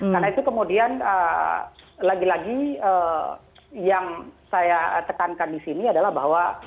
karena itu kemudian lagi lagi yang saya tekankan di sini adalah bahwa